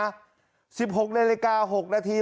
๑๖นาทีหกนาที